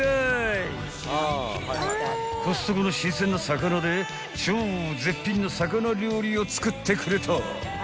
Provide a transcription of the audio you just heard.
［コストコの新鮮な魚で超絶品の魚料理を作ってくれた］